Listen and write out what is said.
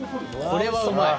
これはうまい。